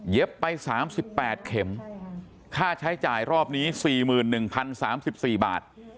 ไป๓๘เข็มค่าใช้จ่ายรอบนี้๔๑๐๓๔บาท